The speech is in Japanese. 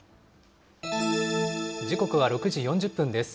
時刻は６時４０分です。